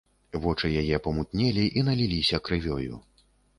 Вочы яе памутнелі і наліліся крывёю.